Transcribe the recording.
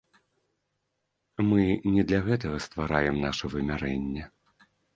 Мы не для гэтага ствараем наша вымярэнне.